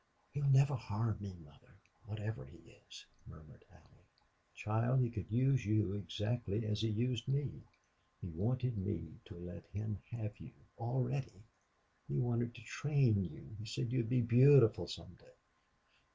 "He'd never harm me, mother, whatever he is," murmured Allie. "Child, he would use you exactly as he used me. He wanted me to let him have you already. He wanted to train you he said you'd be beautiful some day."